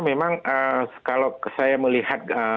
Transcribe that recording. memang kalau saya melihat